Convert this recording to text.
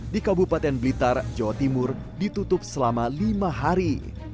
di kabupaten blitar jawa timur ditutup selama lima hari